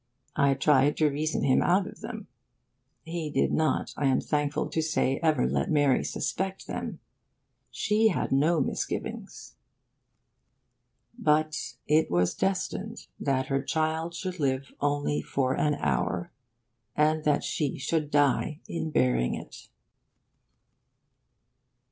I tried to reason him out of them. He did not, I am thankful to say, ever let Mary suspect them. She had no misgivings. But it was destined that her child should live only for an hour, and that she should die in bearing it.